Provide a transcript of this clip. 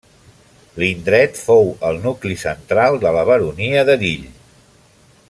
L'indret fou el nucli central de la baronia d'Erill.